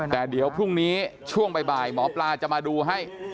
แต่เดี๋ยวพรุ่งนี้ช่วงบ่ายหมอปลาจะมาดูให้